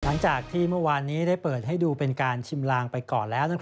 หลังจากที่เมื่อวานนี้ได้เปิดให้ดูเป็นการชิมลางไปก่อนแล้ว